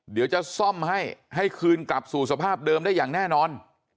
เดี๋ยวจะซ่อมให้ให้คืนกลับสู่สภาพเดิมได้อย่างแน่นอน